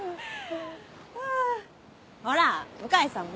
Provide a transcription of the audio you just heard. ハァほら向井さんも。